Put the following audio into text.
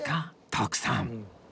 徳さん